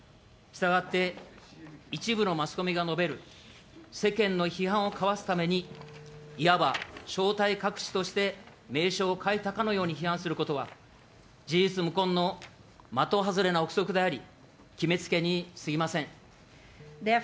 したがって、一部のマスコミが述べる、世間の批判をかわすために、いわば正体隠しとして、名称を変えたかのように批判することは、事実無根の的外れな臆測であり、決めつけに過ぎません。